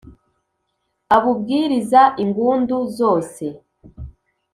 abubwiriza ingundu, zose